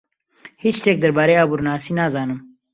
هیچ شتێک دەربارەی ئابوورناسی نازانم.